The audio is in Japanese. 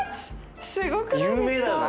すごくないですか。